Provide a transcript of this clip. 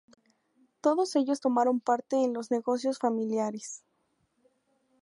Todos ellos tomaron parte en los negocios familiares.